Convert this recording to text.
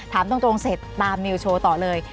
ถามตรงเสร็จตามนิวโชว์ต่อเลย